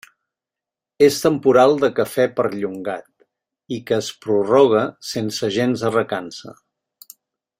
És temporal de café perllongat i que es prorroga sense gens de recança.